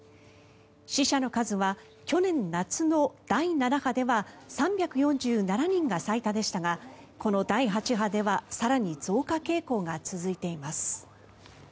死者の数は去年夏の第７波では３４７人が最多でしたがこの第８波では更に増加傾向が続いています。